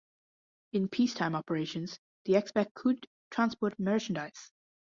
In peacetime operations, the xebec could transport merchandise.